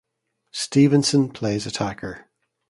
Stevenson plays Attacker.